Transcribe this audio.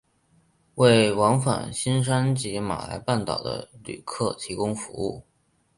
为往返新山及马来半岛的旅客提供服务。